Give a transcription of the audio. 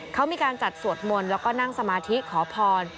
เขามีการจัดสวดมนต์แล้วก็นั่งสมาธิขอพร